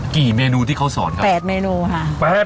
เมนูที่เขาสอนครับ๘เมนูค่ะ